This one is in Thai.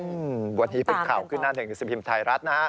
อืมวันนี้เป็นข่าวขึ้นหน้าหนึ่งหนังสือพิมพ์ไทยรัฐนะฮะ